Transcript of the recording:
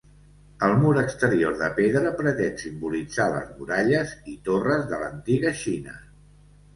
El mur exterior de pedra pretén simbolitzar les muralles i torres de l'antiga Xina.